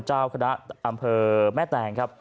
เจ้าคณะอำเภอแม่แตงครับ